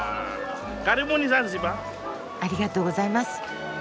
ありがとうございます。